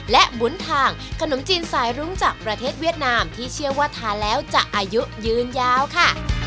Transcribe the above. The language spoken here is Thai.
และหมุนทางขนมจีนสายรุ้งจากประเทศเวียดนามที่เชื่อว่าทานแล้วจะอายุยืนยาวค่ะ